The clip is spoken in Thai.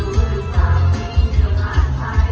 สวัสดีครับ